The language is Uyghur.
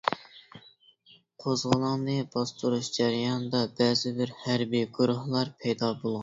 قوزغىلاڭنى باستۇرۇش جەريانىدا بەزى بىر ھەربىي گۇرۇھلار پەيدا بولغان.